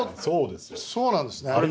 そうなんですね。